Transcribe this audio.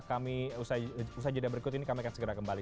kami usai jeda berikut ini kami akan segera kembali